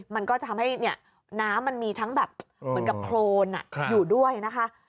มันก็จะทำให้น้ำมันมีทั้งแบบเหมือนกับโครนอยู่ด้วยนะคะ